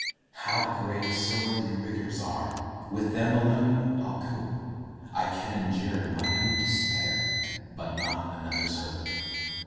How great soe'er your rigours are, With them alone I'll cope; I can endure my own despair, But not another's hope.